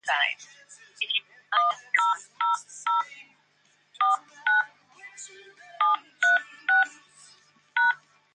The previous treaty had established boundary lines between tribes and promised intertribal peace.